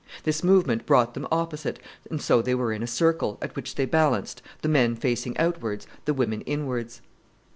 This movement brought them opposite, and so they were in a circle, at which they balanced, the men facing outwards, the women inwards.